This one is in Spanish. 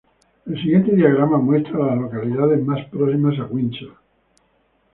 El siguiente diagrama muestra a las localidades más próximas a Windsor.